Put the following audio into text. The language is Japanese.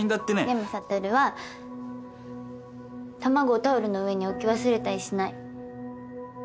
でも悟は卵をタオルの上に置き忘れたりしない。